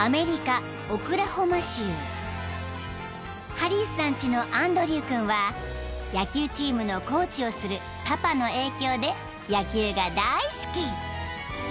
［ハリスさんちのアンドリュー君は野球チームのコーチをするパパの影響で野球が大好き］